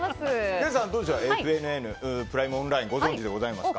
宮司さんはＦＮＮプライムオンラインはご存じでございますか？